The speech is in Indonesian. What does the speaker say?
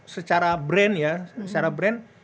secara brand ya secara brand